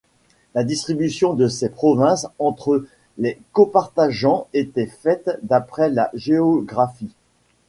La distribution de ces provinces entre les copartageants était faite d'après la géographie.